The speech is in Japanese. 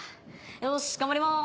よし頑張ります。